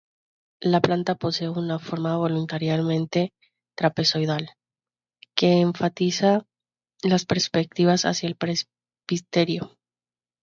La planta posee una forma voluntariamente trapezoidal, que enfatiza las perspectivas hacia el presbiterio.